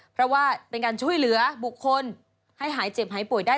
เพราะว่าเป็นการช่วยเหลือบุคคลให้หายเจ็บหายป่วยได้